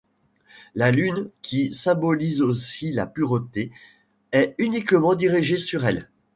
La lune qui symbolise aussi la pureté est uniquement dirigée sur elle.